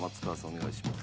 お願いします。